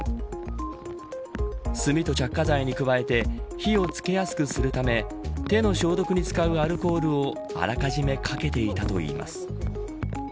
炭と着火剤に加えて火をつけやすくするため手の消毒に使うアルコールをあらかじめかけていたといいます。